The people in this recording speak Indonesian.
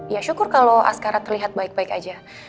ya syukur kalau askara terlihat baik baik aja